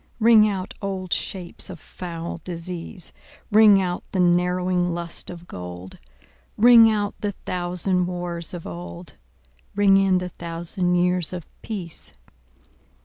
Ring out old shapes of foul disease, Ring out the narrowing lust of gold; Ring out the thousand wars of old, Ring in the thousand years of peace.